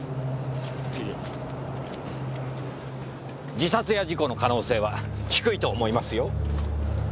自殺や事故の可能性は低いと思いますよ。